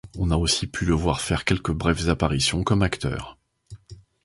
On a aussi pu le voir faire quelques brèves apparitions comme acteur.